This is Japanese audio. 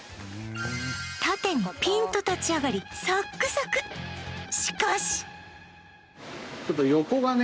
縦にピンと立ち上がりサックサクしかし！